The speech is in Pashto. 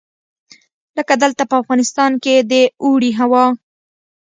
لکه دلته په افغانستان کې د اوړي هوا.